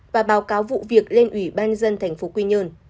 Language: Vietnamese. và báo cáo vụ việc lên ủy ban nhân dân tp quy nhơn